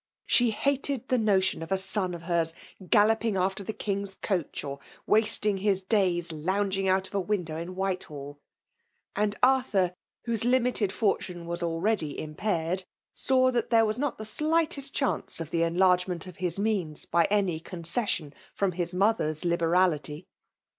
She hated the notion of a son of hers galloping after the King's coach, or wasting his da^ hninging out of a window in Whit^all; and Arthur, whose limited fortune was already iat paired, saw that there was not the sHghlest chance of the enlargement of his means by any concession from his mover's liberality.